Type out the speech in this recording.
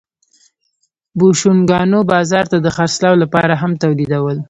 بوشونګانو بازار ته د خرڅلاو لپاره هم تولیدول